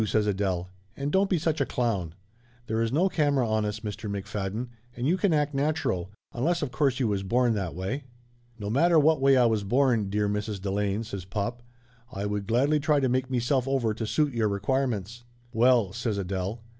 says Adele. "And don't be such a clown. There is no camera on us, Mr. McFadden, and you can act natural, unless of course you was born that way?" "No matter what way I was born, dear Mrs. De lane," says pop, "I would gladly try to make meself over to suit your requirements." "Well !" says Adele.